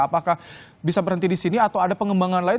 apakah bisa berhenti di sini atau ada pengembangan lain